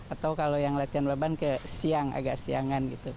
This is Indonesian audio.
atau kalau yang latihan beban ke siang agak siangan gitu